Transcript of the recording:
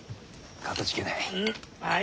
かたじけない。